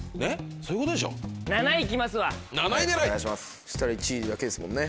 そしたら１位だけですもんね。